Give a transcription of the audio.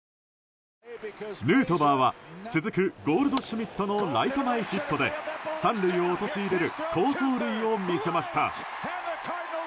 ヌートバーは続くゴールドシュミットのライト前ヒットで３塁を陥れる好走塁を見せました。